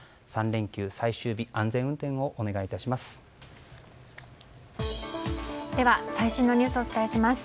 ３連休最終日安全運転をお願いします。